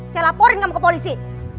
saya laporin kamu ke polisi